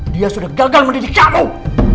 dia sudah gagal mendidik jamu